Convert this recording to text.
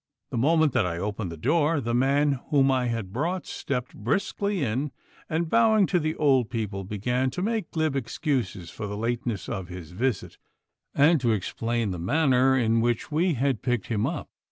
The moment that I opened the door the man whom I had brought stepped briskly in, and bowing to the old people began to make glib excuses for the lateness of his visit, and to explain the manner in which we had picked him up.